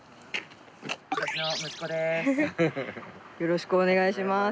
よろしくお願いします。